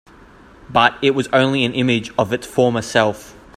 But it was only an image of its former self.